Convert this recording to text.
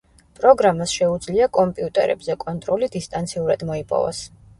პროგრამას შეუძლია კომპიუტერებზე კონტროლი დისტანციურად მოიპოვოს.